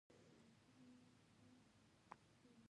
هغوی به کله راشي؟